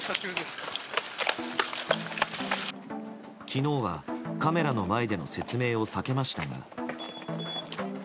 昨日はカメラの前での説明を避けましたが。